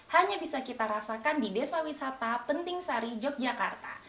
hanya bisa kita rasakan di desa wisata penting sari yogyakarta